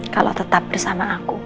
kalau tetap bersama aku